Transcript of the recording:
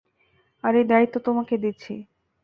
আর এই দায়িত্ব তোমাকে দিচ্ছি।